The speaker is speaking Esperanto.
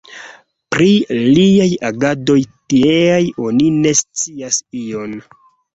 Pri liaj agadoj tieaj oni ne scias ion.